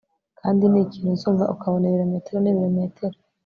kandi nikintu uzumva ukabona ibirometero nibirometero